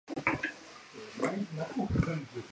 I'm your mistress.